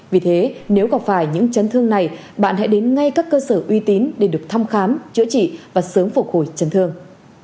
vì thế nếu gặp phải những chấn thương này bạn hãy đến ngay các cơ sở uy tín để được thăm khám chữa trị và sớm phục hồi chân thương